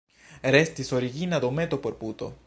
Restis origina dometo por puto.